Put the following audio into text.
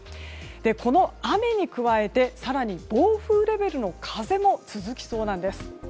この雨に加えて更に、暴風レベルの風も続きそうなんです。